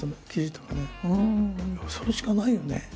それしかないよね。